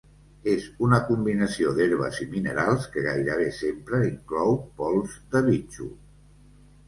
És una combinació d'herbes i minerals que gairebé sempre inclou pols de bitxo.